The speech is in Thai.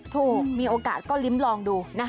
โถ่มีโอกาสก็ริ้มลองดูนะ